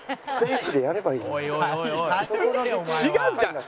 違うじゃない。